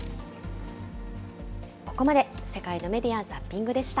ここまで、世界のメディア・ザッピングでした。